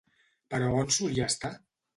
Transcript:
Però on solia estar?